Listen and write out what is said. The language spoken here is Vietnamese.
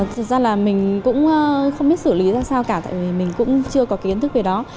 thực ra là mình cũng không biết xử lý ra sao cả tại vì mình cũng chưa có kiến thức về đó